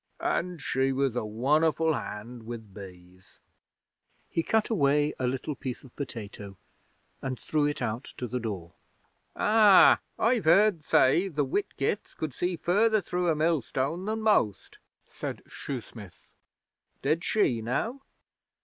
And she was a won'erful hand with bees.' He cut away a little piece of potato and threw it out to the door. 'Ah! I've heard say the Whitgifts could see further through a millstone than most,' said Shoesmith. 'Did she, now?'